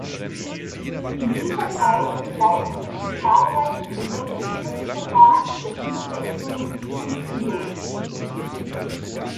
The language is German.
In dieser Zeit begleitete sie zahlreiche Gesetzgebungsverfahren zur Biotechnologie und Bioethik.